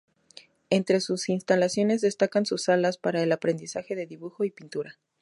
Entre sus instalaciones destacan sus salas para el aprendizaje de dibujo y pintura.